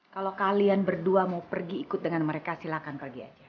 kalau kalian berdua mau pergi ikut dengan mereka silakan pergi aja